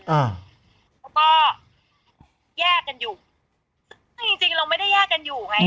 แล้วก็แยกกันอยู่ซึ่งจริงจริงเราไม่ได้แยกกันอยู่ไง